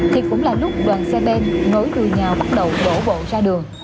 thì cũng là lúc đoàn xe bên ngối đùi nhau bắt đầu đổ bộ ra đường